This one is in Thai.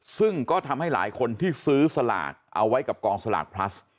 ซึ่งก็ทำให้หลายคนที่ซื้อสลากเอาไว้กับกองสลากพลัส